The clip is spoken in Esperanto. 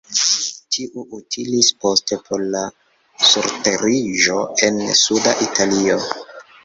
Tio utilis poste por la surteriĝo en suda Italio.